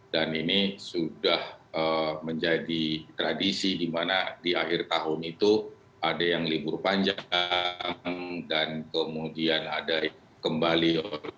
dan ini sudah menjadi tradisi di mana di akhir tahun itu ada yang libur panjang dan kemudian ada yang kembali